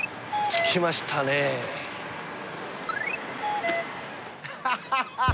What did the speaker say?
着きましたね。ハハハ。